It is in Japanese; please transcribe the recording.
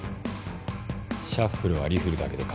シャッフルはリフルだけで構わない。